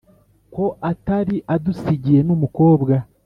ko atari adusigiye n'umukobwa,